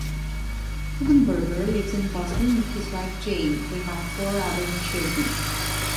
Hugenberger lives in Boston with his wife Jane; they have four adult children.